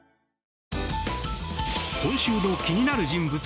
今週の気になる人物